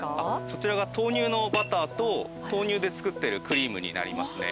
そちらが豆乳のバターと豆乳で作ってるクリームになりますね。